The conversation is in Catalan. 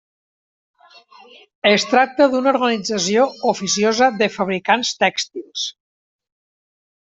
Es tracta d'una organització oficiosa de fabricants tèxtils.